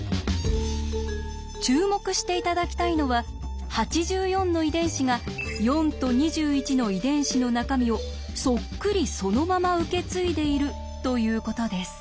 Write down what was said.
注目して頂きたいのは８４の遺伝子が４と２１の遺伝子の中身をそっくりそのまま受け継いでいるということです。